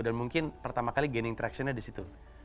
dan mungkin pertama kali gain interaction nya di situ